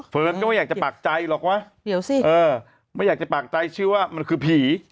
เฟิร์นก็ไม่อยากจะปากใจหรอกว่าไม่อยากจะปากใจชื่อว่ามันคือผี